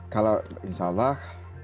kalau insya allah